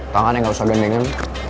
tangan yang gak usah gandengan